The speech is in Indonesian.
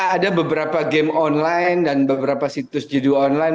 ada beberapa game online dan beberapa situs judi online